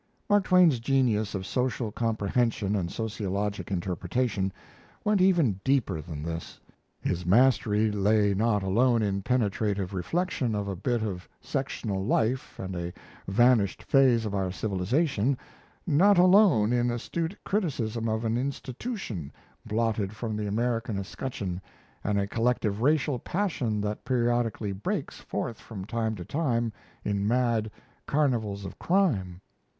Mark Twain's genius of social comprehension and sociologic interpretation went even deeper than this. His mastery lay not alone in penetrative reflection of a bit of sectional life and a vanished phase of our civilization, not alone in astute criticism of an "institution" blotted from the American escutcheon and a collective racial passion that periodically breaks forth from time to time in mad "carnivals of crime."